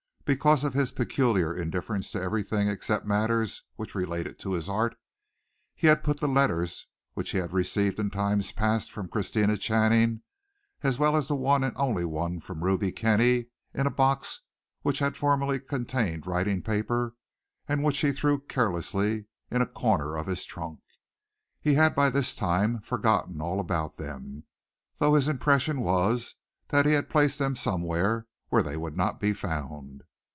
Because of his peculiar indifference to everything except matters which related to his art, he had put the letters which he had received in times past from Christina Channing, as well as the one and only one from Ruby Kenny, in a box which had formerly contained writing paper and which he threw carelessly in a corner of his trunk. He had by this time forgotten all about them, though his impression was that he had placed them somewhere where they would not be found.